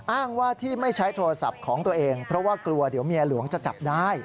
อ้างว่าที่ไม่ใช้โทรศัพท์ของตัวเองเพราะว่ากลัวเดี๋ยวเมียหลวงจะจับได้